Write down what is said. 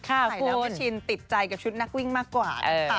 ถ่ายแล้วพี่ชินติดใจกับชุดนักวิ่งมากกว่า